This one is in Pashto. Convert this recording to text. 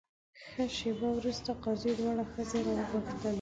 ښه شېبه وروسته قاضي دواړه ښځې راوغوښتلې.